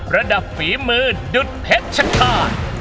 ระดับฝีมือดุทรเผ็ดชะทาน